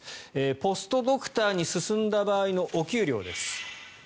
ポストドクターに進んだ場合のお給料です。